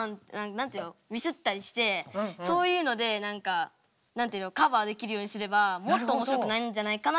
何て言うのミスったりしてそういうので何か何て言うのカバーできるようにすればもっとおもしろくなるんじゃないかなと僕は思います。